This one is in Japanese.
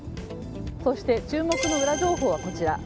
そして注目のウラ情報はこちら。